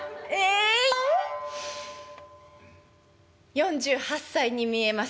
「４８歳に見えます」。